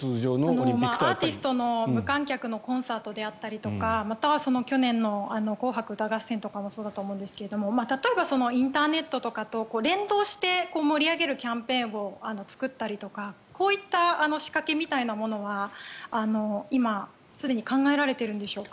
アーティストの、無観客のコンサートであったりとかまたは去年の「紅白歌合戦」とかもそうだと思うんですが例えばインターネットとかと連動して盛り上げるキャンペーンを作ったりとかこういった仕掛けみたいなものは今、すでに考えられているんでしょうか？